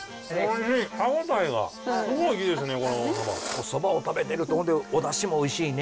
おそばを食べてるとほんでおだしもおいしいね。